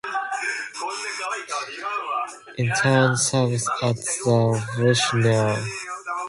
Entered service at: Bushnell, Ill.